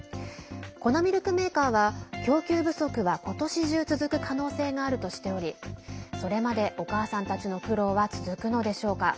粉ミルクメーカーは、供給不足はことし中続く可能性があるとしておりそれまで、お母さんたちの苦労は続くのでしょうか。